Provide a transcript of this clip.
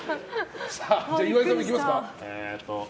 岩井さんもいきますか。